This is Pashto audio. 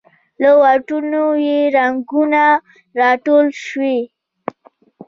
له واټونو یې رنګونه راټول شوې